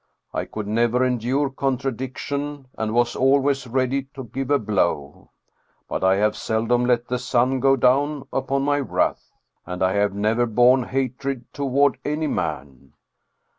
I could never endure contradiction, and was always ready to give a blow. But I have seldom let the sun go down upon my wrath, and I have never borne hatred toward any man.